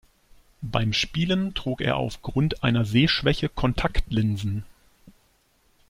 Beim Spielen trug er aufgrund einer Sehschwäche Kontaktlinsen.